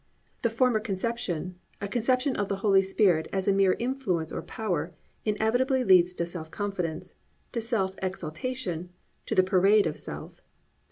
The former conception, the conception of the Holy Spirit as a mere influence or power, inevitably leads to self confidence, to self exaltation, to the parade of self.